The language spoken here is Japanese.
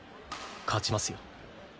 勝ちますよ。